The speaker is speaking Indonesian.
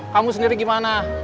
kamu sendiri gimana